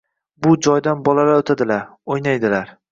Bu joydan bolalar oʻtadilar, oʻynaydilar.